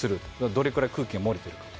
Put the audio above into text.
どれだけ空気が漏れているか。